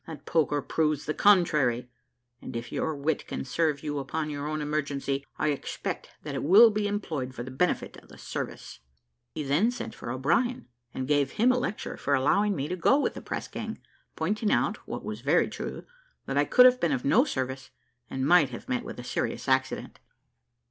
That poker proves the contrary; and if your wit can serve you upon your own emergency, I expect that it will be employed for the benefit of the service." He then sent for O'Brien, and gave him a lecture for allowing me to go with the press gang, pointing out, what was very true, that I could have been of no service, and might have met with a serious accident.